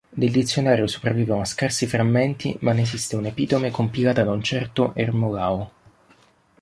Del dizionario sopravvivono scarsi frammenti ma ne esiste un'epitome compilata da un certo Ermolao.